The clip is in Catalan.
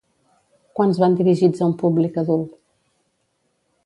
Quants van dirigits a un públic adult?